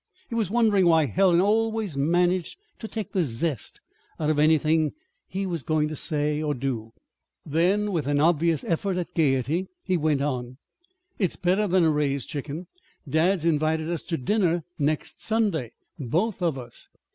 He was wondering why Helen always managed to take the zest out of anything he was going to do, or say. Then, with an obvious effort at gayety, he went on: "It's better than a raise, chicken. Dad's invited us to dinner next Sunday both of us."